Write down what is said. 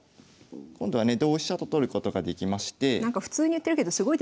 今度はね同飛車と取ることができまして。